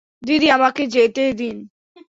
দিদি, আমাকে যেতে দিন।